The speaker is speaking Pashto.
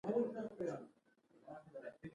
ذاتي کرامت او ځان ته احترام بنسټیز ارزښتونه دي.